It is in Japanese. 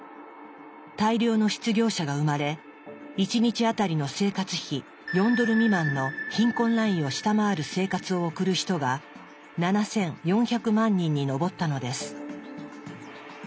大量の失業者が生まれ１日当たりの生活費４ドル未満の貧困ラインを下回る生活を送る人が７４００万人に上ったのです。